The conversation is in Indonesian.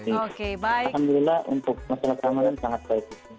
alhamdulillah untuk masyarakat ramadan sangat baik